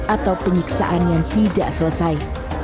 atau penyiksaan yang tidak selesai